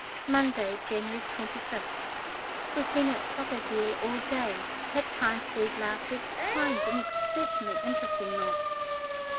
Monday, January 25th. We have been at Sotteville all day; had time to read last week's 'Times' an exceptionally interesting lot.